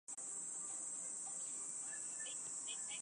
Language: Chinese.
见正字通。